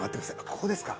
ここですか？